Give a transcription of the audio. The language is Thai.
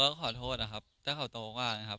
ก็ขอโทษนะครับถ้าเขาโตกว่านะครับ